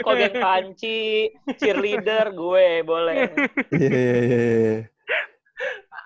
kalau geng panci cheerleader gue boleh